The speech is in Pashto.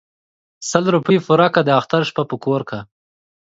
ـ سل روپۍ پوره كه داختر شپه په كور كه.